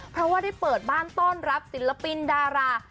เพราะว่าได้เปิดบ้านต้อนรับศิลปินดารา